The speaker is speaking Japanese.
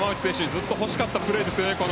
ずっと欲しかったプレーですね。